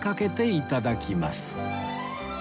いただきます。